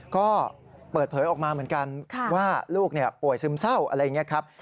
ก็เปิดเผยออกมาเหมือนกันว่าลูกป่วยซึมเศร้าอะไรอย่างนี้ครับ